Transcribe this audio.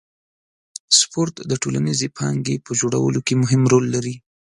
سپورت د ټولنیزې پانګې په جوړولو کې مهم رول لري.